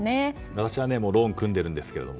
私はローンを組んでるんですけど。